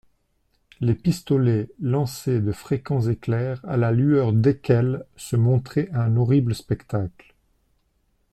Les pistolets lançaient de fréquents éclairs à la lueur desquels se montrait un horrible spectacle.